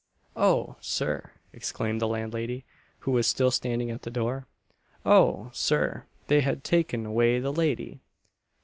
"Oh! Sir," exclaimed the landlady, who was still standing at the door "Oh! Sir, they have taken away the lady!"